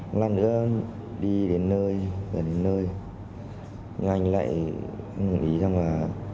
một lần nữa đi đến nơi lại đến nơi nhưng anh lại gửi ý rằng là